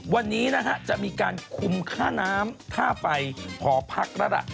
วันนี้นะฮะจะมีการคุมค่าน้ำค่าไฟหอพักแล้วล่ะ